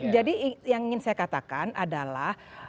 yang ingin saya katakan adalah